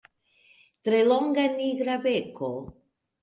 Tre longa, nigra beko.